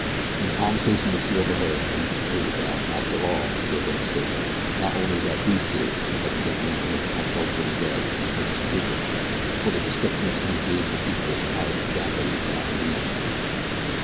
From the conversation which she overheard the woman concluded that, after all, she had been mistaken, not only about these two, but about the young man who had come earlier in the day and purchased food from her, for the description the tramp gave of the fugitive tallied exactly with that of the young man.